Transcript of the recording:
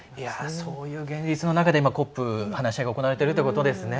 そういう現実の中で今ＣＯＰ話し合いが行われているということですね。